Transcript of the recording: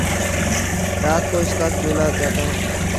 رات کو اس کا چولہا جلتا ہے